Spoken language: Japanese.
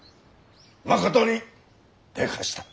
まことにでかした。